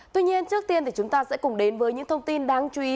tuy nhiên trước tiên thì chúng ta sẽ cùng đến với những thông tin đáng chú ý